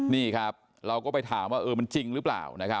นี่ครับเราก็ไปถามว่าเออมันจริงหรือเปล่า